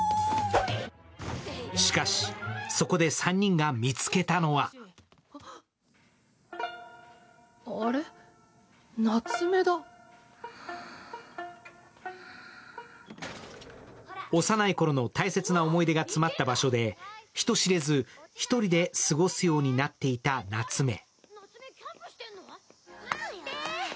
しかし、そこで３人が見つけたのは幼いころの大切な思い出が詰まった場所で人知れず１人で過ごすようになっていた夏芽。